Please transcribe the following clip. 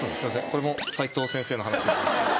これも斉藤先生の話なんですけど。